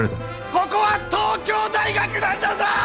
ここは東京大学なんだぞ！